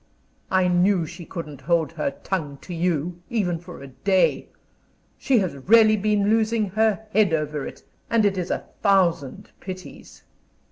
"I knew she couldn't hold her tongue to you, even for a day. She has really been losing her head over it. And it is a thousand pities."